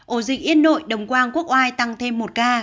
ổ dịch yên nội đồng quang quốc oai tăng thêm một ca